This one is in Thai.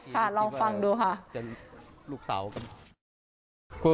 ลองฟังดูค่ะ